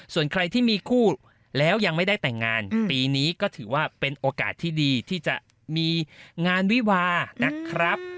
ส่วนใครที่มีคู่แล้วยังไม่ได้แต่งงานปีนี้ก็ถือว่าเป็นโอกาสที่ดีที่จะมีงานวิวานะครับ